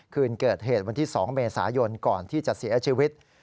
คืนเกิดเหตุวันที่๒เมษายนก่อนที่จะเสียชีวิต